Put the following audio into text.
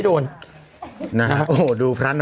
โดนหมดครับ